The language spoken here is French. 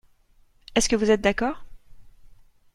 Est-ce que vous êtes d’accord ?